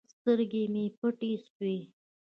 سترګې مې پټې سوې.